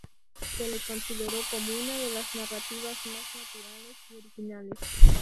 Se le consideró como "una de las narrativas más naturales y originales".